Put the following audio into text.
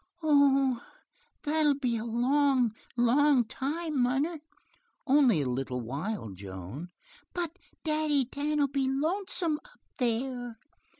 "Oh, that'll be a long, long time, munner." "Only a little while, Joan." "But Daddy Dan'll be lonesome up there."